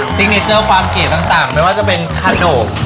ไซก์เนาเจอความเกลียดต่างไม่ว่าจะเคระโหนม